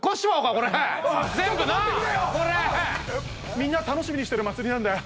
みんな楽しみにしてる祭りなんだよ。